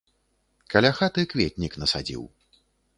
Каля хаты кветнік насадзіў.